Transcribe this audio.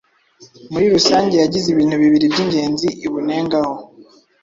muri rusange yagize ibintu bibili by'ingenzi ibunengaho: